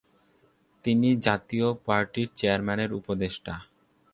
তিনি জাতীয় পার্টির চেয়ারম্যানের উপদেষ্টা।